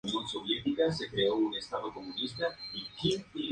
Las sesiones fueron grabadas en París, Francia.